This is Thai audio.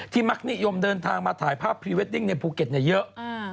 มักนิยมเดินทางมาถ่ายภาพพรีเวดดิ้งในภูเก็ตเยอะ